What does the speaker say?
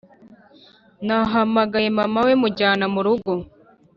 nahamagaye mama we mujyana murugo